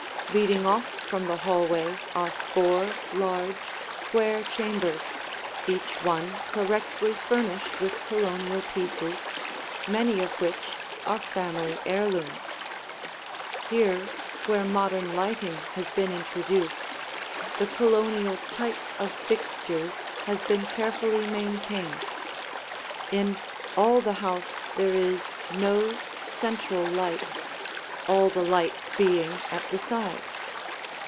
Leading off from the hallway are four large, square chambers, each one correctly furnished with Colonial pieces, many of which are family heirlooms. Here, where modern lighting has been introduced, the Colonial type of fixtures has been carefully maintained. In all the house there is no central light, all the lights being at the side.